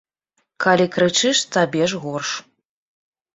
Калі крычыш, табе ж горш.